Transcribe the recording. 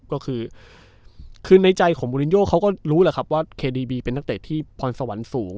ก็คือคือในใจของมูลินโยเขาก็รู้แหละครับว่าเคดีบีเป็นนักเตะที่พรสวรรค์สูง